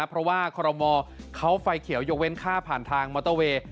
เพราะว่าคอรมอเขาไฟเขียวยกเว้นค่าผ่านทางมอเตอร์เวย์